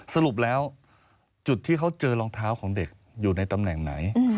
สรุปแล้วจุดที่เขาเจอรองเท้าของเด็กอยู่ในตำแหน่งไหน